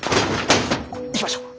行きましょう。